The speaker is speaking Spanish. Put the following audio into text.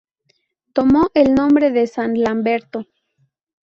Tomó el nombre de San Lamberto.